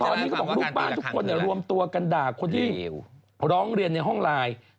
ตอนนี้เขาบอกลูกบ้านทุกคนรวมตัวกันด่าคนที่ร้องเรียนในห้องไลน์